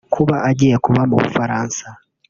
Kuba agiye kuba mu Bufaransa